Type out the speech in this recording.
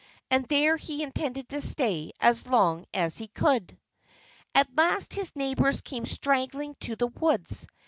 And there he intended to stay as long as he could. At last his neighbors came straggling to the woods.